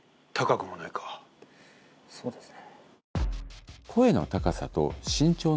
そうですね。